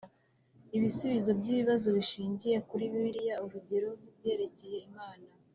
Ibisubizo by’ibibazo bishingiye kuri Bibiliya urugero nk’ibyerekeye Imana